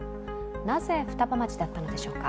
なぜ双葉町だったのでしょうか。